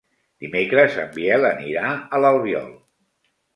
Dimecres en Biel anirà a l'Albiol.